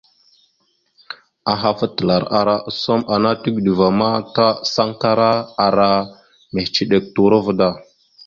Ahaf atəlar ara osom ana tigeɗoloŋoro ma ta sankara ara mehəciɗek turova da.